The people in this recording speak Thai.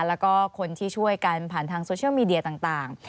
แล้วก็คนที่ช่วยกันผ่านทางโซเชียลมีเดียต่าง